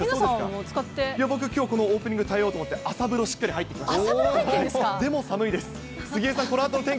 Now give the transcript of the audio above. いや僕、きょうオープニングで耐えようと思って、朝風呂、しっかり入ってきました。